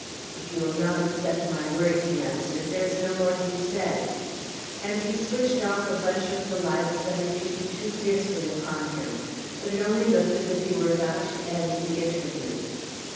"If you will not accept my word," he answered, "there is no more to be said." And he switched off a bunch of the lights that had beaten too fiercely upon him; but it only looked as if he was about to end the interview.